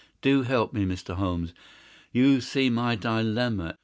Do help me, Mr. Holmes! You see my dilemma.